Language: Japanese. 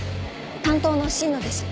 担当の新野です。